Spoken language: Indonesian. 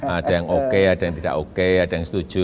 ada yang oke ada yang tidak oke ada yang setuju